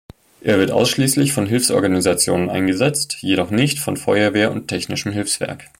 Er wird ausschließlich von Hilfsorganisationen eingesetzt, jedoch nicht von Feuerwehr und Technischem Hilfswerk.